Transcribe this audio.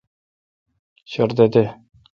شردہ دے۔